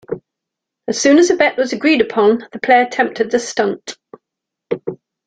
As soon as a bet was agreed upon, the player attempted the stunt.